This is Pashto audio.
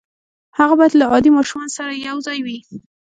هغه بايد له عادي ماشومانو سره يو ځای وي.